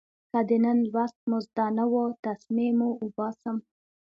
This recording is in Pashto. که د نن لوست مو زده نه و، تسمې مو اوباسم.